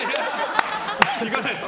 行かないです。